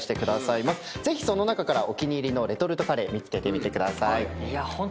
ぜひその中からお気に入りのレトルトカレー見つけてみてください。